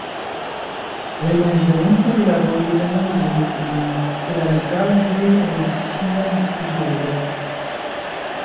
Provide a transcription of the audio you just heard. Hejmenveninta li laboris en uzino pri ceramikaĵoj en sia naskiĝurbo.